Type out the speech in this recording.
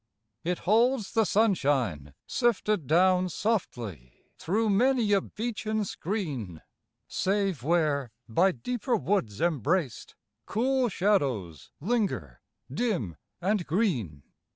It holds the sunshine sifted down Softly through many a beechen screen. Save where, by deeper woods embraced. Cool shadows linger, dim and green.